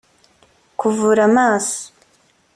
kuvura amaso